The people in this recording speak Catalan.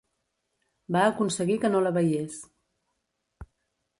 Va aconseguir que no la veiés.